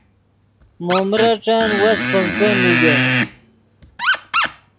مو میرݯن وس پنکے نیگے